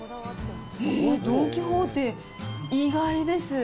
えー、ドン・キホーテ、意外です。